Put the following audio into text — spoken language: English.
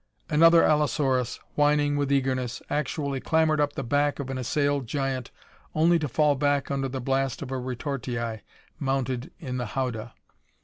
Another allosaurus, whining with eagerness, actually clambered up the back of an assailed giant only to fall back under the blast of a retortii mounted in the howdah.